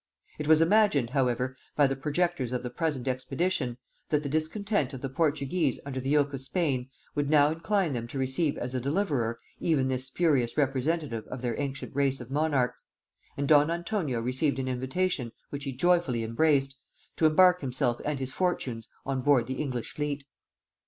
It was imagined however, by the projectors of the present expedition, that the discontent of the Portuguese under the yoke of Spain would now incline them to receive as a deliverer even this spurious representative of their ancient race of monarchs; and don Antonio received an invitation, which he joyfully embraced, to embark himself and his fortunes on board the English fleet.